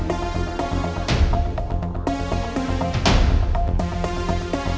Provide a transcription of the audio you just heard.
ahora terus perah lagi ya